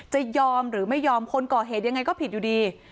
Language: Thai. จะยอมหรือไม่ยอมคนก่อเหตุยังไงก็ผิดอยู่ดี